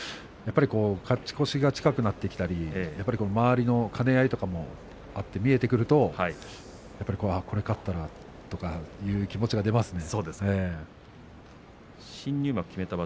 勝ち越しが近くなってきたりすると周りの兼ね合いとかも見えてきたりするとこれ勝ったらとかという気持ちが出ますね。